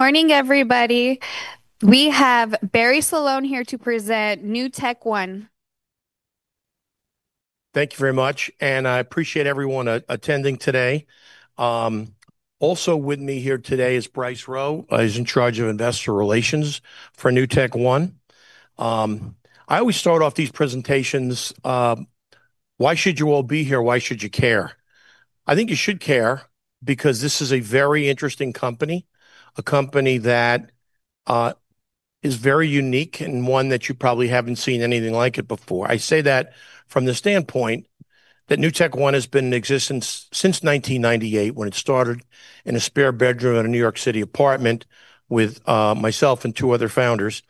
Morning, everybody. We have Barry Sloane here to present NewtekOne. Thank you very much, I appreciate everyone attending today. Also with me here today is Bryce Rowe. He's in charge of investor relations for NewtekOne. I always start off these presentations, why should you all be here? Why should you care? I think you should care because this is a very interesting company, a company that is very unique and one that you probably haven't seen anything like it before. I say that from the standpoint that NewtekOne has been in existence since 1998 when it started in a spare bedroom in a New York City apartment with myself and two other founders.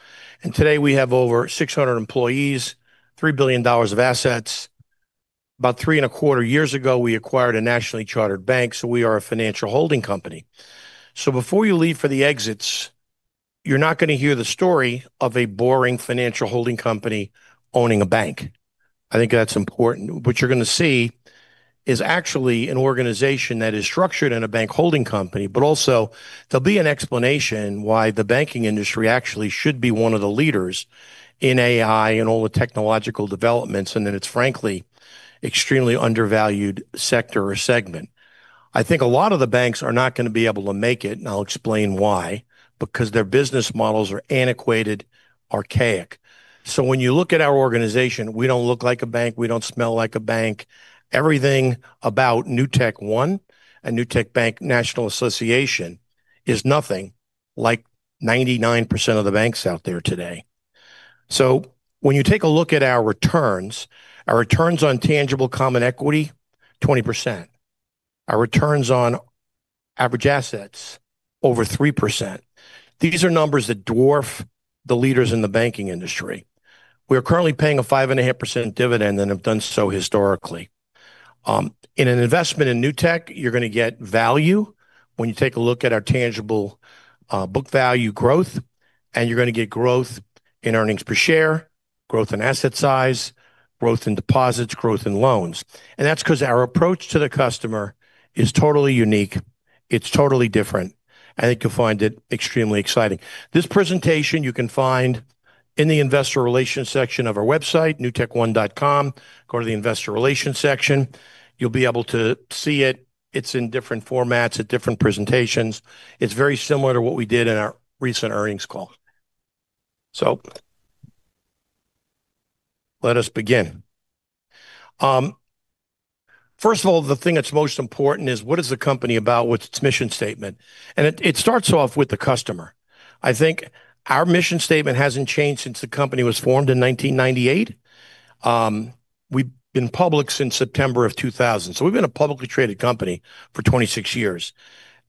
Today, we have over 600 employees, $3 billion of assets. About three and a quarter years ago, we acquired a nationally chartered bank, we are a financial holding company. Before you leave for the exits, you're not going to hear the story of a boring financial holding company owning a bank. I think that's important. What you're going to see is actually an organization that is structured in a bank holding company, but also there'll be an explanation why the banking industry actually should be one of the leaders in AI and all the technological developments, in its frankly extremely undervalued sector or segment. I think a lot of the banks are not going to be able to make it, I'll explain why. Their business models are antiquated, archaic. So when you look at our organization, we don't look like a bank, we don't smell like a bank. Everything about NewtekOne, and Newtek Bank, National Association, is nothing like 99% of the banks out there today. So when you take a look at our returns, our returns on tangible common equity, 20%. Our returns on average assets, over 3%. These are numbers that dwarf the leaders in the banking industry. We are currently paying a 5.5% dividend and have done so historically. In an investment in Newtek, you're going to get value when you take a look at our tangible book value growth, you're going to get growth in earnings per share, growth in asset size, growth in deposits, growth in loans. That's because our approach to the customer is totally unique, it's totally different, and I think you'll find it extremely exciting. This presentation you can find in the investor relations section of our website, newtekone.com. Go to the Investor Relations section. You'll be able to see it. It's in different formats at different presentations. It's very similar to what we did in our recent earnings call. Let us begin. First of all, the thing that's most important is what is the company about? What's its mission statement? It starts off with the customer. I think our mission statement hasn't changed since the company was formed in 1998. We've been public since September of 2000, we've been a publicly traded company for 26 years.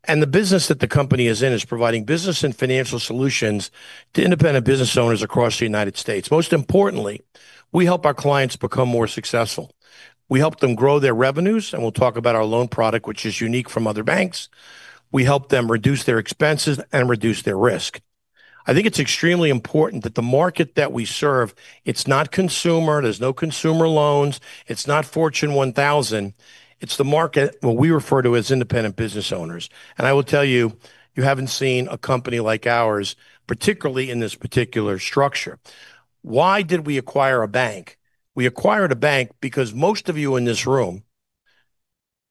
The business that the company is in is providing business and financial solutions to independent business owners across the United States. Most importantly, we help our clients become more successful. We help them grow their revenues, we'll talk about our loan product which is unique from other banks. We help them reduce their expenses and reduce their risk. I think it's extremely important that the market that we serve, it's not consumer. There's no consumer loans. It's not Fortune 1000. It's the market, what we refer to as independent business owners. I will tell you haven't seen a company like ours, particularly in this particular structure. Why did we acquire a bank? We acquired a bank because most of you in this room,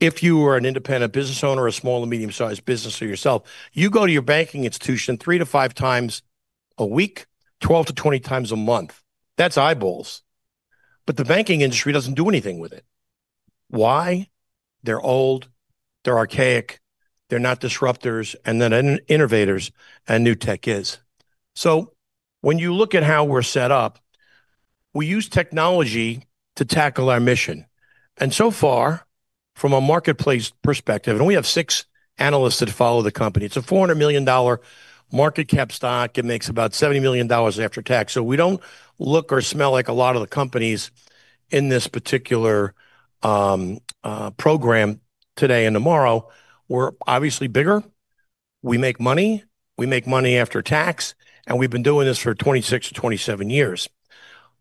if you are an independent business owner, a small to medium-sized business or yourself, you go to your banking institution three to five times a week, 12 to 20 times a month. That's eyeballs. The banking industry doesn't do anything with it. Why? They're old, they're archaic, they're not disruptors, and they're not innovators, and Newtek is. When you look at how we're set up, we use technology to tackle our mission, and so far, from a marketplace perspective, we have six analysts that follow the company. It's a $400 million market cap stock. It makes about $70 million after tax. We don't look or smell like a lot of the companies in this particular program today and tomorrow. We're obviously bigger. We make money, we make money after tax, and we've been doing this for 26 to 27 years.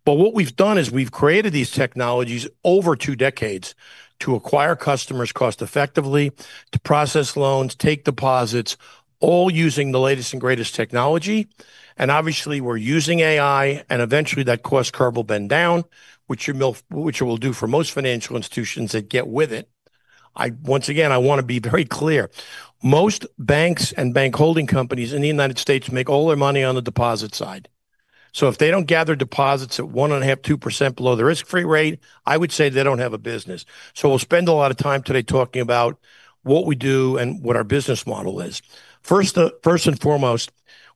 But what we've done is we've created these technologies over two decades to acquire customers cost-effectively, to process loans, take deposits, all using the latest and greatest technology. And obviously, we're using AI, and eventually that cost curve will bend down, which it will do for most financial institutions that get with it. Once again, I want to be very clear. Most banks and bank holding companies in the U.S. make all their money on the deposit side. So iIf they don't gather deposits at 1.5%, 2% below the risk-free rate, I would say they don't have a business. We'll spend a lot of time today talking about what we do and what our business model is. First and foremost,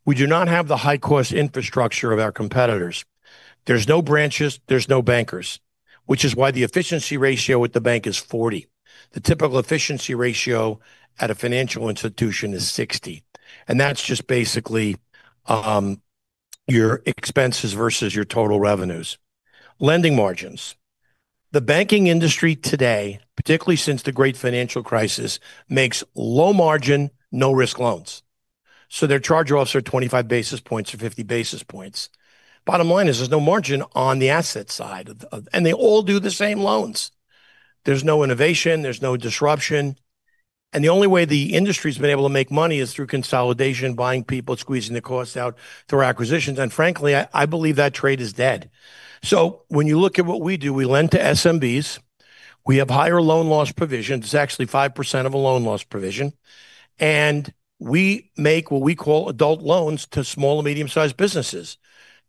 we do not have the high-cost infrastructure of our competitors. There's no branches, there's no bankers. Which is why the efficiency ratio with the bank is 40%. The typical efficiency ratio at a financial institution is 60%, and that's just basically your expenses versus your total revenues. Lending margins. The banking industry today, particularly since the great financial crisis, makes low margin, no-risk loans. Their charge-offs are 25 basis points or 50 basis points. Bottom line is there's no margin on the asset side. They all do the same loans. There's no innovation. There's no disruption. And the only way the industry's been able to make money is through consolidation, buying people, squeezing the costs out through acquisitions. Frankly, I believe that trade is dead. So when you look at what we do, we lend to SMBs. We have higher loan loss provision. It's actually 5% of a loan loss provision. And we make what we call adult loans to small or medium-sized businesses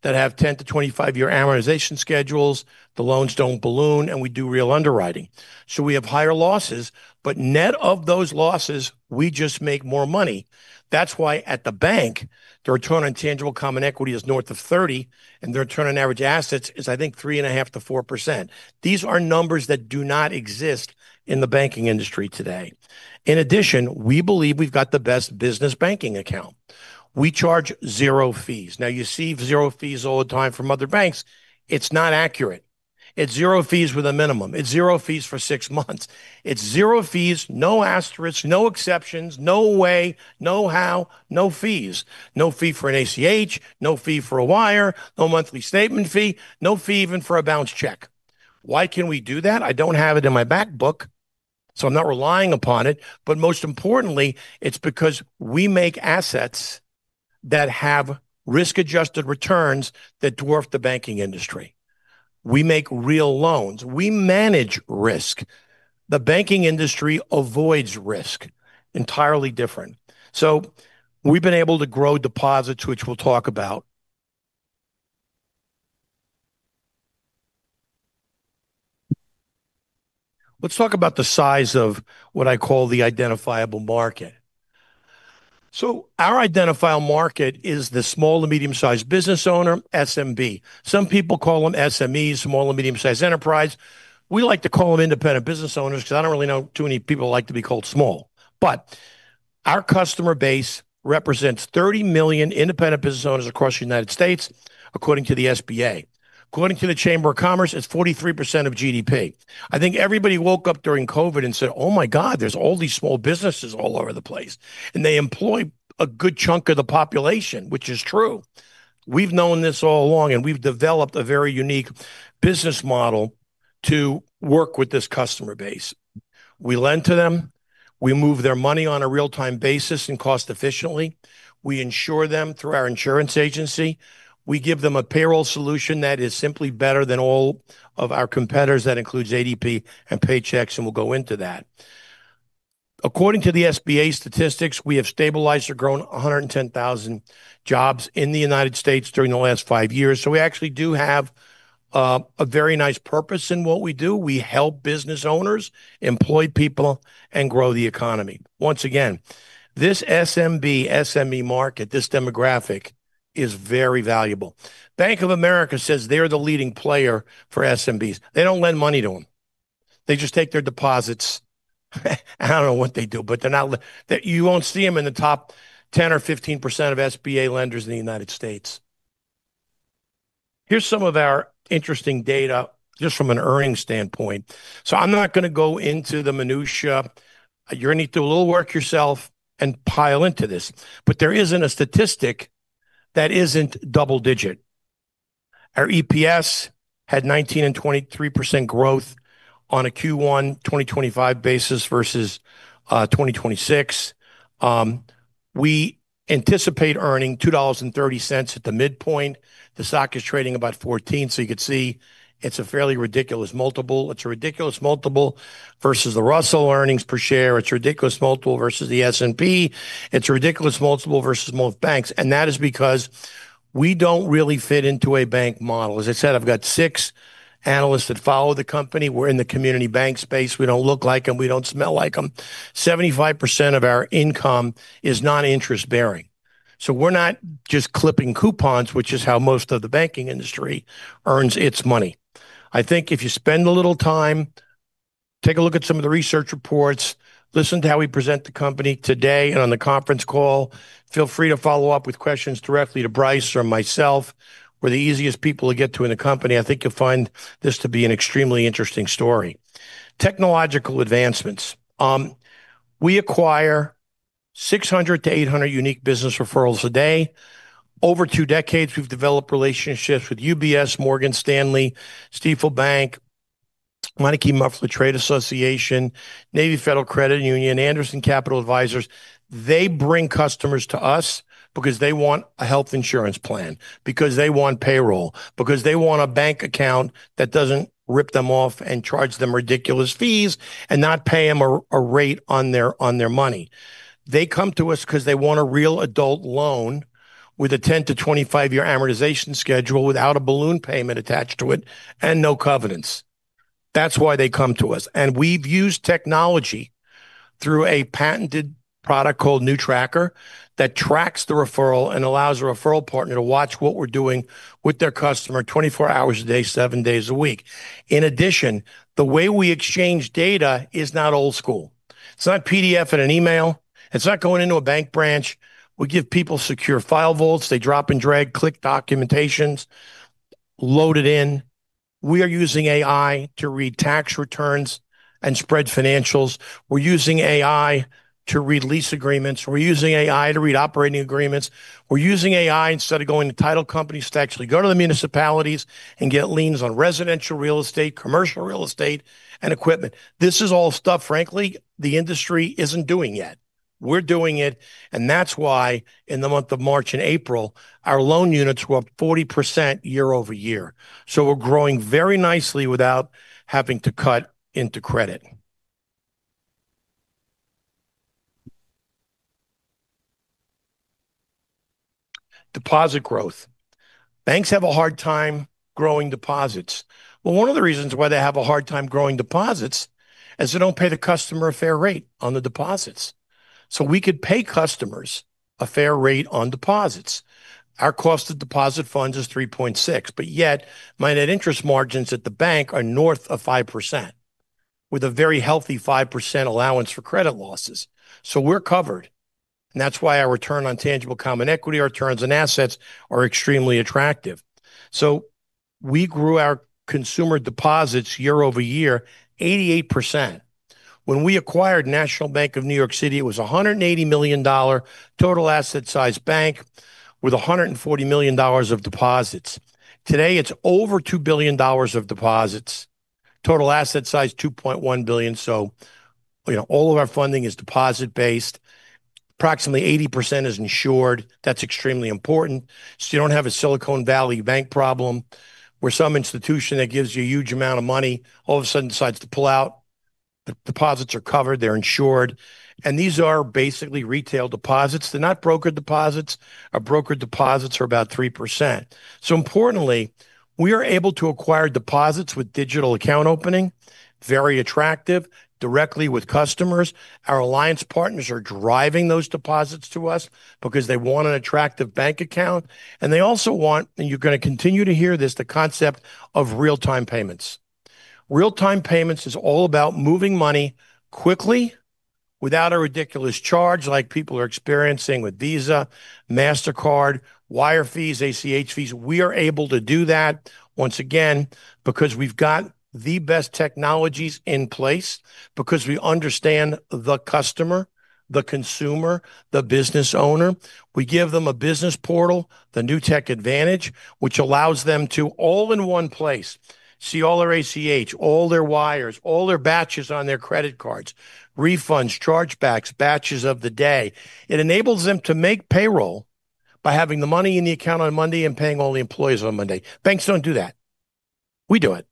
that have 10 to 25-year amortization schedules. The loans don't balloon, and we do real underwriting. So we have higher losses, but net of those losses, we just make more money. That's why at the bank, the return on tangible common equity is north of 30%, and the return on average assets is, I think, 3.5% to 4%. These are numbers that do not exist in the banking industry today. In addition, we believe we've got the best business banking account. We charge zero fees. Now, you see zero fees all the time from other banks. It's not accurate. It's zero fees with a minimum. It's zero fees for six months. It's zero fees, no asterisks, no exceptions, no way, no how, no fees. No fee for an ACH, no fee for a wire, no monthly statement fee, no fee even for a bounced check. Why can we do that? I don't have it in my back book, I'm not relying upon it. But most importantly, it's because we make assets that have risk-adjusted returns that dwarf the banking industry. We make real loans. We manage risk. The banking industry avoids risk. Entirely different. So we've been able to grow deposits, which we'll talk about. Let's talk about the size of what I call the identifiable market. So our identifiable market is the small to medium-sized business owner, SMB. Some people call them SMEs, small and medium-sized enterprise. We like to call them independent business owners because I don't really know too many people who like to be called small. But our customer base represents 30 million independent business owners across the U.S., according to the SBA. According to the Chamber of Commerce, it's 43% of GDP. I think everybody woke up during COVID and said, "Oh my God, there's all these small businesses all over the place." They employ a good chunk of the population, which is true. We've known this all along, we've developed a very unique business model to work with this customer base. We lend to them. We move their money on a real-time basis and cost efficiently. We insure them through our insurance agency. We give them a payroll solution that is simply better than all of our competitors. That includes ADP and Paychex, we'll go into that. According to the SBA statistics, we have stabilized or grown 110,000 jobs in the U.S. during the last five years. We actually do have a very nice purpose in what we do. We help business owners employ people and grow the economy. Once again, this SMB, SME market, this demographic, is very valuable. Bank of America says they're the leading player for SMBs. They don't lend money to them. They just take their deposits. I don't know what they do, but you won't see them in the top 10 or 15% of SBA lenders in the U.S. Here's some of our interesting data, just from an earnings standpoint. So I'm not going to go into the minutia. You're going to need to do a little work yourself and pile into this. There isn't a statistic that isn't double digit. Our EPS had 19% and 23% growth on a Q1 2025 basis versus 2026. We anticipate earning $2.30 at the midpoint. The stock is trading about 14, you could see it's a fairly ridiculous multiple. It's a ridiculous multiple versus the Russell earnings per share. It's a ridiculous multiple versus the S&P. It's a ridiculous multiple versus most banks, that is because we don't really fit into a bank model. As I said, I've got six analysts that follow the company. We're in the community bank space. We don't look like them. We don't smell like them. 75% of our income is non-interest bearing. So we're not just clipping coupons, which is how most of the banking industry earns its money. I think if you spend a little time, take a look at some of the research reports, listen to how we present the company today and on the conference call. Feel free to follow up with questions directly to Bryce or myself. We're the easiest people to get to in the company. I think you'll find this to be an extremely interesting story. Technological advancements. We acquire 600 to 800 unique business referrals a day. Over two decades, we've developed relationships with UBS, Morgan Stanley, Stifel Bank, Lunnike, Muffley Trade Association, Navy Federal Credit Union, Anderson Capital Advisors. They bring customers to us because they want a health insurance plan, because they want payroll, because they want a bank account that doesn't rip them off and charge them ridiculous fees and not pay them a rate on their money. They come to us because they want a real adult loan with a 10 to 25-year amortization schedule without a balloon payment attached to it and no covenants. That's why they come to us. We've used technology through a patented product called NewTracker that tracks the referral and allows the referral partner to watch what we're doing with their customer 24 hours a day, seven days a week. In addition, the way we exchange data is not old school. It's not PDF in an email. It's not going into a bank branch. We give people secure file vaults. They drop and drag, click Documentations, load it in. We are using AI to read tax returns and spread financials. We're using AI to read lease agreements. We're using AI to read operating agreements. We're using AI instead of going to title companies to actually go to the municipalities and get liens on residential real estate, commercial real estate, and equipment. This is all stuff, frankly, the industry isn't doing yet. We're doing it, that's why in the month of March and April, our loan units were up 40% year-over-year. We're growing very nicely without having to cut into credit. Deposit growth. Banks have a hard time growing deposits. Well, one of the reasons why they have a hard time growing deposits is they don't pay the customer a fair rate on the deposits. So we could pay customers a fair rate on deposits. Our cost of deposit funds is 3.6%, yet, my net interest margins at the bank are north of 5%, with a very healthy 5% allowance for credit losses. So we're covered, that's why our return on tangible common equity, our returns on assets are extremely attractive. So we grew our consumer deposits year-over-year 88%. When we acquired National Bank of New York City, it was $180 million total asset size bank with $140 million of deposits. Today it's over $2 billion of deposits. Total asset size $2.1 billion. All of our funding is deposit based. Approximately 80% is insured. That's extremely important. You don't have a Silicon Valley Bank problem, where some institution that gives you a huge amount of money all of a sudden decides to pull out. The deposits are covered, they're insured, and these are basically retail deposits. They're not brokered deposits. Our brokered deposits are about 3%. So importantly, we are able to acquire deposits with digital account opening, very attractive, directly with customers. Our alliance partners are driving those deposits to us because they want an attractive bank account, and they also want, and you're going to continue to hear this, the concept of real-time payments. Real-time payments is all about moving money quickly without a ridiculous charge like people are experiencing with Visa, Mastercard, wire fees, ACH fees. We are able to do that, once again, because we've got the best technologies in place because we understand the customer, the consumer, the business owner. We give them a business portal, the Newtek Advantage, which allows them to all in one place see all their ACH, all their wires, all their batches on their credit cards, refunds, chargebacks, batches of the day. It enables them to make payroll by having the money in the account on Monday and paying all the employees on Monday. Banks don't do that. We do it.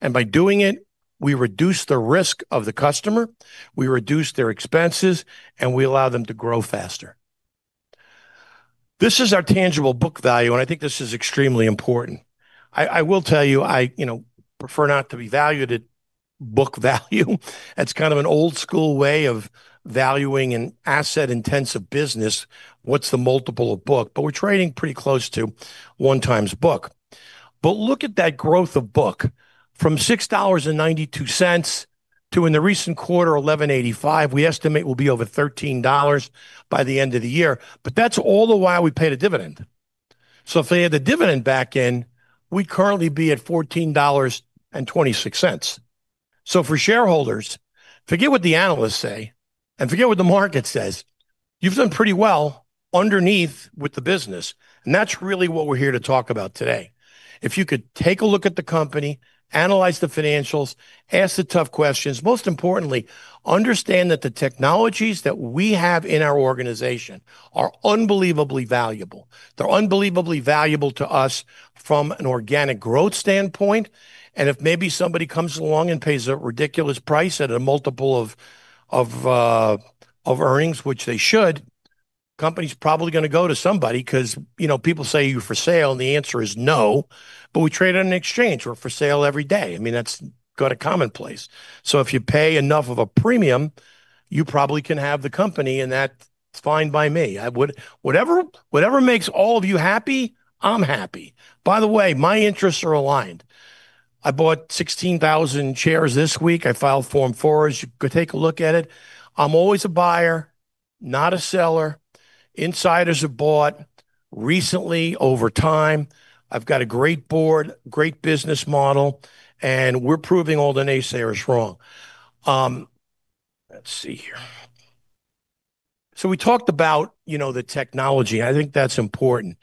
By doing it, we reduce the risk of the customer, we reduce their expenses, and we allow them to grow faster. This is our tangible book value. I think this is extremely important. I will tell you, I prefer not to be valued at book value. That's kind of an old school way of valuing an asset-intensive business, what's the multiple of book. We're trading pretty close to one times book. Look at that growth of book. From $6.92 to in the recent quarter, $11.85. We estimate we'll be over $13 by the end of the year. That's all the while we paid a dividend. So if they had the dividend back in, we'd currently be at $14.26. For shareholders, forget what the analysts say and forget what the market says, you've done pretty well underneath with the business. That's really what we're here to talk about today. If you could take a look at the company, analyze the financials, ask the tough questions. Most importantly, understand that the technologies that we have in our organization are unbelievably valuable. They're unbelievably valuable to us from an organic growth standpoint. If maybe somebody comes along and pays a ridiculous price at a multiple of earnings, which they should, company's probably going to go to somebody because people say, "Are you for sale?" The answer is no, but we trade on an exchange. We're for sale every day. I mean, that's got a commonplace. So if you pay enough of a premium, you probably can have the company, and that's fine by me. Whatever makes all of you happy, I'm happy. By the way, my interests are aligned. I bought 16,000 shares this week. I filed Form four. You could take a look at it. I'm always a buyer, not a seller. Insiders have bought recently over time. I've got a great board, great business model, and we're proving all the naysayers wrong. Let's see here. We talked about the technology. I think that's important.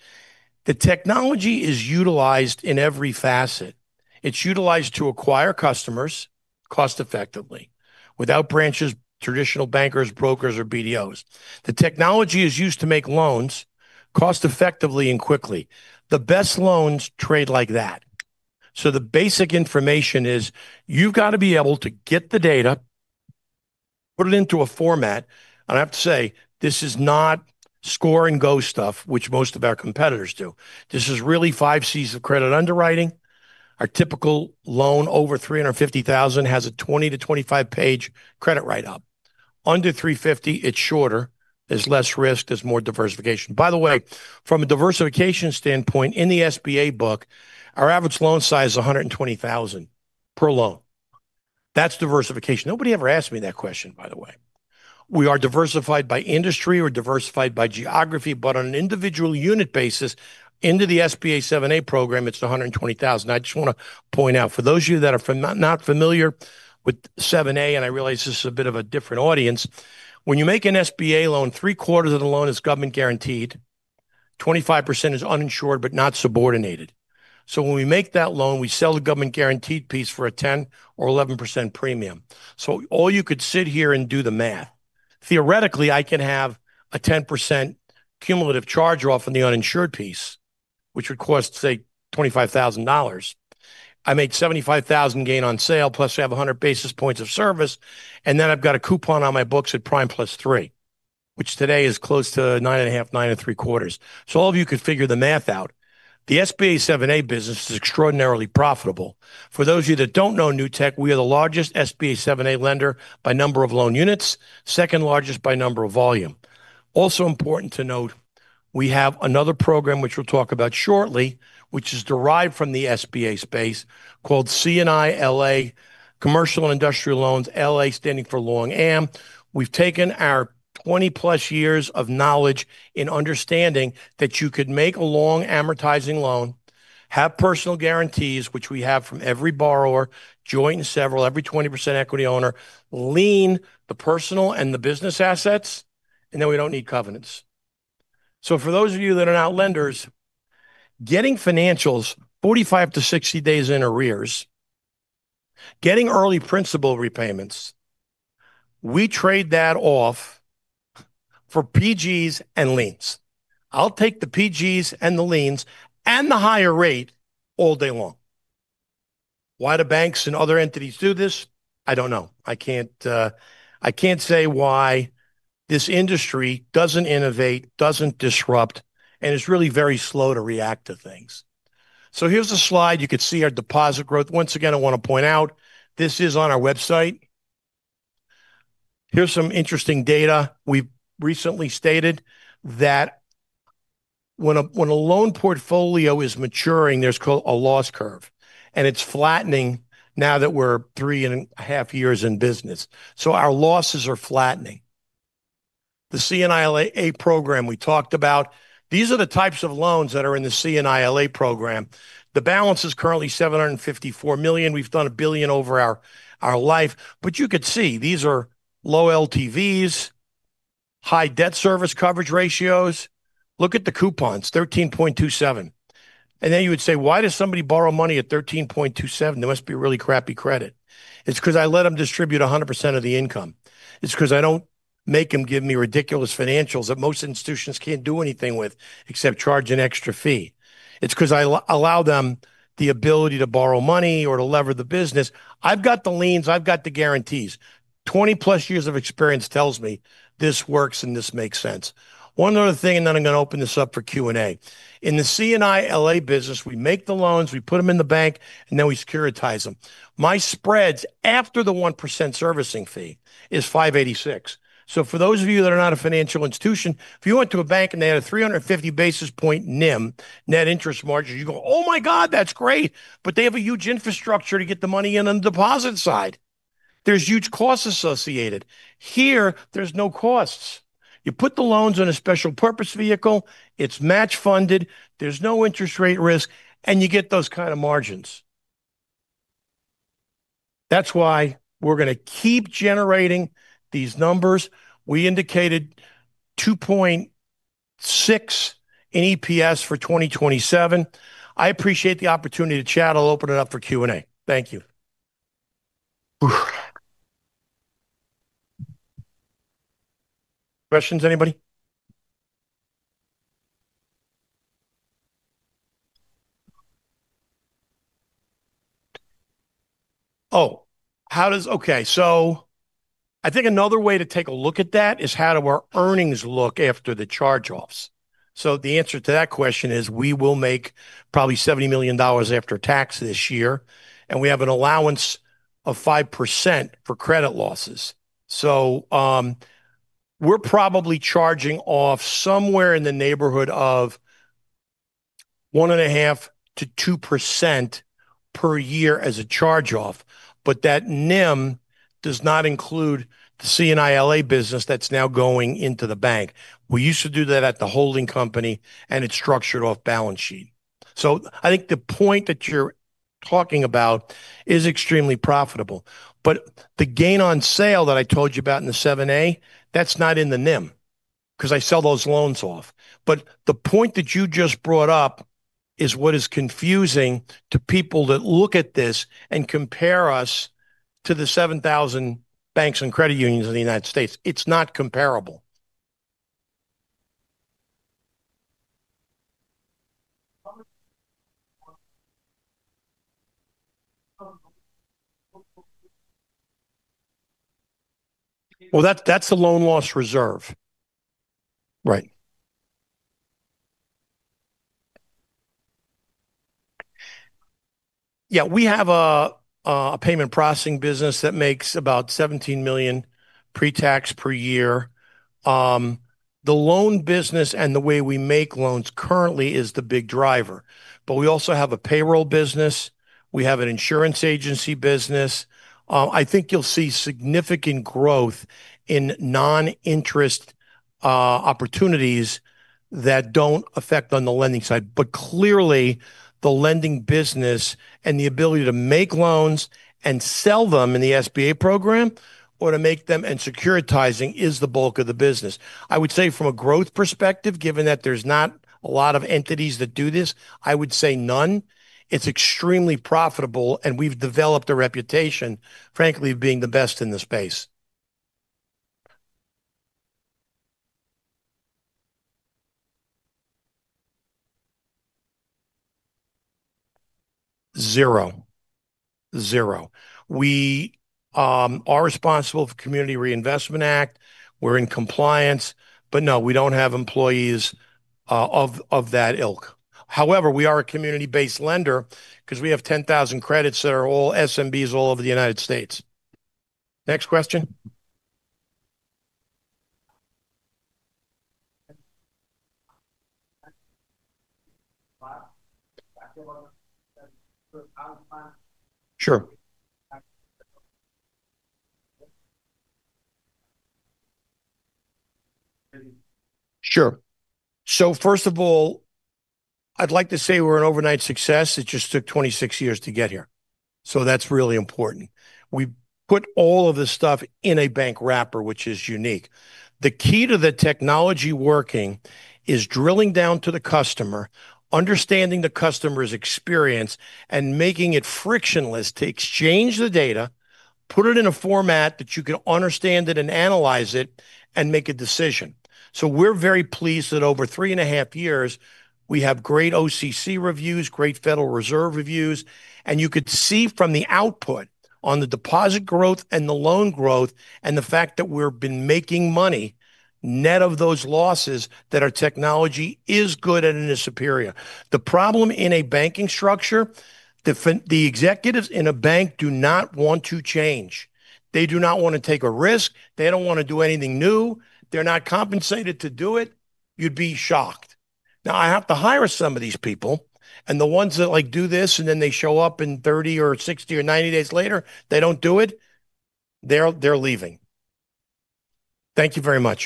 The technology is utilized in every facet. It's utilized to acquire customers cost effectively without branches, traditional bankers, brokers, or BDOs. The technology is used to make loans cost effectively and quickly. The best loans trade like that. The basic information is you've got to be able to get the data, put it into a format. I have to say, this is not score and go stuff, which most of our competitors do. This is really five Cs of credit underwriting. Our typical loan over $350,000 has a 20 to 25-page credit write-up. Under $350,000 it's shorter. There's less risk. There's more diversification. By the way, from a diversification standpoint, in the SBA book, our average loan size is $120,000 per loan. That's diversification. Nobody ever asked me that question, by the way. We are diversified by industry. We're diversified by geography. On an individual unit basis, into the SBA 7(a) program, it's $120,000. I just want to point out for those of you that are not familiar with 7(a), and I realize this is a bit of a different audience. When you make an SBA loan, three-quarters of the loan is government guaranteed. 25% is uninsured but not subordinated. So when we make that loan, we sell the government-guaranteed piece for a 10% or 11% premium. All you could sit here and do the math. Theoretically, I can have a 10% cumulative charge-off on the uninsured piece, which would cost, say, $25,000. I made $75,000 gain on sale, plus we have 100 basis points of service, and then I've got a coupon on my books at prime plus three, which today is close to nine and a half, nine and three-quarters. All of you could figure the math out. The SBA 7(a) business is extraordinarily profitable. For those of you that don't know Newtek, we are the largest SBA 7(a) lender by number of loan units, second largest by number of volume. Also important to note, we have another program which we'll talk about shortly, which is derived from the SBA space called C&I LA, commercial and industrial loans, LA standing for long Am. We've taken our 20-plus years of knowledge in understanding that you could make a long amortizing loan, have personal guarantees, which we have from every borrower, joint and several, every 20% equity owner, lien the personal and the business assets, and then we don't need covenants. For those of you that are not lenders, getting financials 45 to 60 days in arrears, getting early principal repayments, we trade that off for PGs and liens. I'll take the PGs and the liens and the higher rate all day long. Why do banks and other entities do this? I don't know. I can't say why this industry doesn't innovate, doesn't disrupt, and is really very slow to react to things. Here's a slide. You could see our deposit growth. Once again, I want to point out, this is on our website. Here's some interesting data. We've recently stated that when a loan portfolio is maturing, there's a loss curve, and it's flattening now that we're three and a half years in business. So our losses are flattening. The C&I LA program we talked about, these are the types of loans that are in the C&I LA program. The balance is currently $754 million. We've done $1 billion over our life. But you could see, these are low LTVs, high debt service coverage ratios. Look at the coupons, 13.27%. You would say, "Why does somebody borrow money at 13.27%? They must be really crappy credit." It's because I let them distribute 100% of the income. It's because I don't make them give me ridiculous financials that most institutions can't do anything with except charge an extra fee. It's because I allow them the ability to borrow money or to lever the business. I've got the liens. I've got the guarantees. 20-plus years of experience tells me this works and this makes sense. One other thing, then I'm going to open this up for Q&A. In the C&I LA business, we make the loans, we put them in the bank, and then we securitize them. My spreads after the 1% servicing fee is 586. So for those of you that are not a financial institution, if you went to a bank and they had a 350 basis point NIM, net interest margin, you go, "Oh my God, that's great." They have a huge infrastructure to get the money in on the deposit side. There's huge costs associated. Here, there's no costs. You put the loans on a special purpose vehicle, it's match funded, there's no interest rate risk, and you get those kind of margins. That's why we're going to keep generating these numbers. We indicated $2.6 in EPS for 2027. I appreciate the opportunity to chat. I'll open it up for Q&A. Thank you. Questions, anybody? Oh, okay. I think another way to take a look at that is how do our earnings look after the charge-offs. The answer to that question is we will make probably $70 million after tax this year, and we have an allowance of 5% for credit losses. We're probably charging off somewhere in the neighborhood of 1.5% to 2% per year as a charge-off, but that NIM does not include the C&I LA business that's now going into the bank. We used to do that at the holding company, and it's structured off-balance sheet. So I think the point that you're talking about is extremely profitable, but the gain on sale that I told you about in the 7(a), that's not in the NIM because I sell those loans off. The point that you just brought up is what is confusing to people that look at this and compare us to the 7,000 banks and credit unions in the U.S. It's not comparable. Well, that's the loan loss reserve. Right. Yeah, we have a payment processing business that makes about $17 million pre-tax per year. The loan business and the way we make loans currently is the big driver, but we also have a payroll business. We have an insurance agency business. I think you'll see significant growth in non-interest opportunities that don't affect on the lending side. Clearly, the lending business and the ability to make loans and sell them in the SBA program or to make them in securitizing is the bulk of the business. I would say from a growth perspective, given that there's not a lot of entities that do this, I would say none. It's extremely profitable, and we've developed a reputation, frankly, of being the best in the space. Zero. We are responsible for Community Reinvestment Act. We're in compliance. No, we don't have employees of that ilk. However, we are a community-based lender because we have 10,000 credits that are all SMBs all over the U.S. Next question. Sure. [inaudible] Sure. First of all, I'd like to say we're an overnight success. It just took 26 years to get here, so that's really important. We put all of this stuff in a bank wrapper, which is unique. The key to the technology working is drilling down to the customer, understanding the customer's experience, and making it frictionless to exchange the data, put it in a format that you can understand it and analyze it, and make a decision. We're very pleased that over three and a half years, we have great OCC reviews, great Federal Reserve reviews, and you could see from the output on the deposit growth and the loan growth, and the fact that we've been making money net of those losses, that our technology is good and it is superior. The problem in a banking structure, the executives in a bank do not want to change. They do not want to take a risk. They don't want to do anything new. They're not compensated to do it. You'd be shocked. Now I have to hire some of these people, and the ones that do this and then they show up in 30 or 60 or 90 days later, they don't do it. They're leaving. Thank you very much